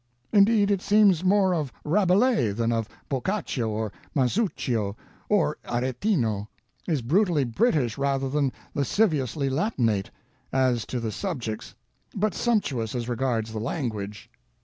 Indeed, it seems more of Rabelais than of Boccaccio or Masuccio or Aretino is brutally British rather than lasciviously latinate, as to the subjects, but sumptuous as regards the language."